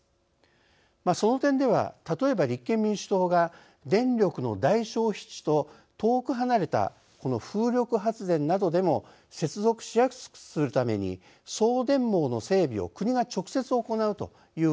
その点では例えば立憲民主党が電力の大消費地と遠く離れたこの風力発電などでも接続しやすくするために送電網の整備を国が直接行うという案を出しています。